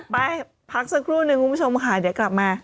ไปพักสักครู่นึงคุณผู้ชมค่ะเดี๋ยวกลับมา